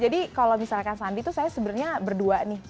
jadi kalau misalkan sandi itu saya sebenarnya berdua nih